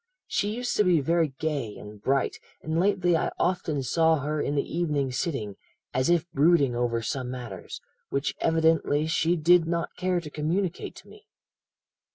She used to be very gay and bright, and lately I often saw her in the evening sitting, as if brooding over some matters, which evidently she did not care to communicate to me.'